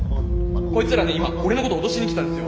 こいつらね今俺のこと脅しに来たんですよ。